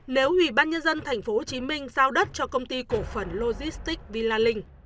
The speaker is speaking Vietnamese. nếu ủy ban nhân dân tp hcm giao đất cho công ty cổ phần logistics vila linh